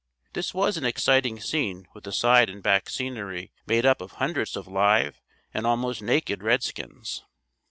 This was an exciting scene with the side and back scenery made up of hundreds of live and almost naked redskins.